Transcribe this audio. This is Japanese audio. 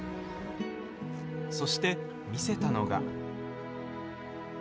そして、見せたのが。